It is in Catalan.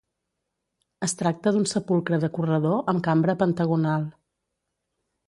Es tracta d'un sepulcre de corredor amb cambra pentagonal.